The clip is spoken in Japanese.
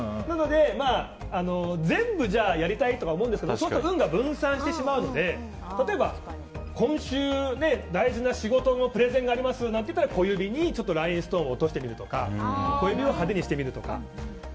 なので、全部やりたいとか思うんですけどちょっと運が分散してしまうので例えば、今週は大事な仕事のプレゼンがありますなんていったら小指にラインストーンを落としてみるとか小指を派手にしてみるとか。